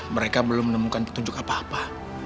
mereka belum menemukan petunjuk apa apa